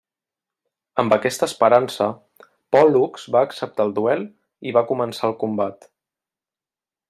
Amb aquesta esperança, Pòl·lux va acceptar el duel i va començar el combat.